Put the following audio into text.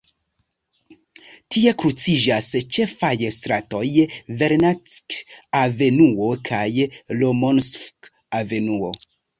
Tie kruciĝas ĉefaj stratoj Vernadskij-avenuo kaj Lomonosov-avenuo.